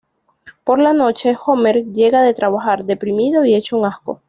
Por la noche, Homer llega de trabajar, deprimido y hecho un asco.